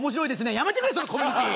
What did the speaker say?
やめてくれそのコミュニティー。